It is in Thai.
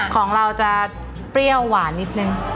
ของเราจะเปรี้ยวหวานนิดนึง